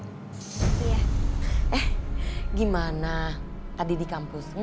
eh gimana tadi di kampusnya